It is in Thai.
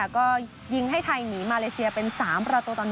ก็ยิงให้ไทยหนีมาเลเซียเป็น๓ประตูต่อ๑